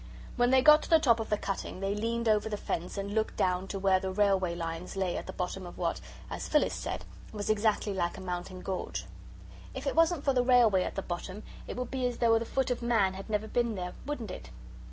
When they got to the top of the cutting, they leaned over the fence and looked down to where the railway lines lay at the bottom of what, as Phyllis said, was exactly like a mountain gorge. "If it wasn't for the railway at the bottom, it would be as though the foot of man had never been there, wouldn't it?"